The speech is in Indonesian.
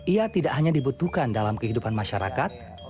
ia tidak hanya dibutuhkan dalam kehidupan masyarakat